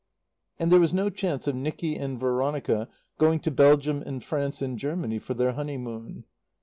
And there was no chance of Nicky and Veronica going to Belgium and France and Germany for their honeymoon.